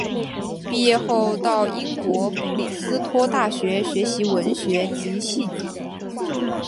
毕业后到英国布里斯托大学学习文学及戏剧。